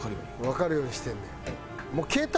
わかるようにしてんねん。